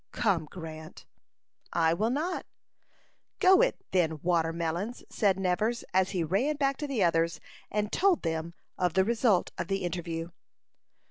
"Come, Grant." "I will not." "Go it, then, Watermelons!" said Nevers, as he ran back to the others, and told them of the result of the interview.